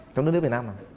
trong nước nước việt nam này